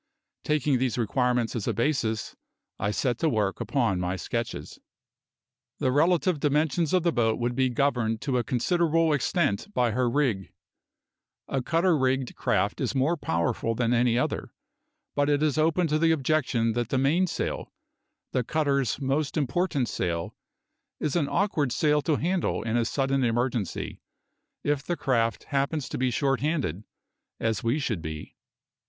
Taking these requirements as a basis, I set to work upon my sketches. The relative dimensions of the boat would be governed to a considerable extent by her rig. A cutter rigged craft is more powerful than any other, but it is open to the objection that the mainsail the cutter's most important sail is an awkward sail to handle in a sudden emergency, if the craft happens to be short handed, as we should be.